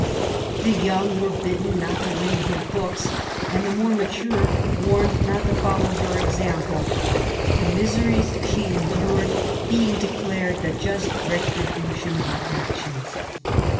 The young were bidden not to read her books^ and the more mature warned not to follow her example, the miseries she endured being declared the just retribution of her actions.